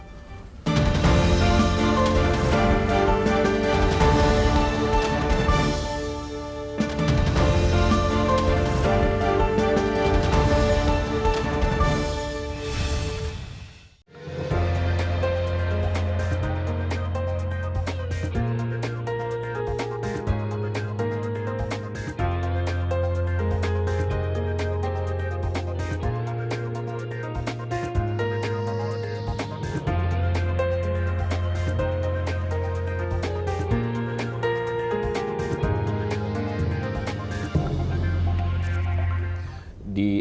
sebenarnya pak ini mondewaiting